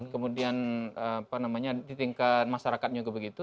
kemudian apa namanya di tingkat masyarakat juga begitu